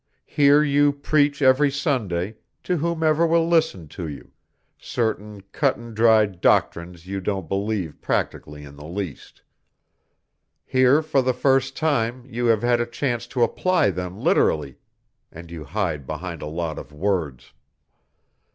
Here you preach every Sunday, to whomever will listen to you, certain cut and dried doctrines you don't believe practically in the least. Here for the first time you have had a chance to apply them literally, and you hide behind a lot of words.